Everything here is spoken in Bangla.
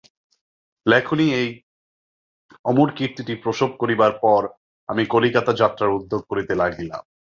লেখনী এই অমর কীর্তিটি প্রসব করিবার পর আমি কলিকাতা যাত্রার উদ্যোগ করিতে লাগিলাম।